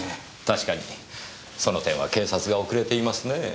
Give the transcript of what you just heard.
確かにその点は警察が遅れていますねぇ。